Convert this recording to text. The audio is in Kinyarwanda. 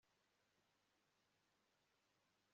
Nshobora kuvugana na Bill